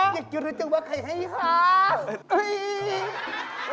อยากรู้จักว่าใครให้ขา